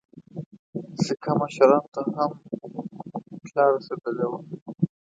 سیکه مشرانو ته هم اطلاع رسېدلې وه.